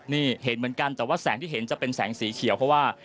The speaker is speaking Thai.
นี่เห็นเหมือนกันแต่ว่าแสงที่เห็นจะเป็นแสงสีเขียวเพราะว่า